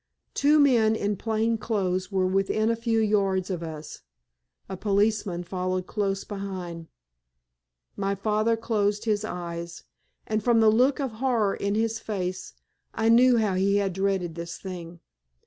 Two men in plain clothes were within a few yards of us; a policeman followed close behind. My father closed his eyes, and from the look of horror in his face I knew how he had dreaded this thing.